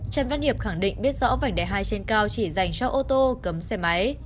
trần văn hiệp khẳng định biết rõ vành đai hai trên cao chỉ dành cho ô tô cấm xe máy